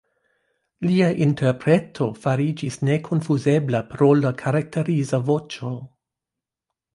Lia interpreto fariĝis nekonfuzebla pro la karakteriza voĉo.